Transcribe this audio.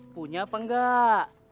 punya apa enggak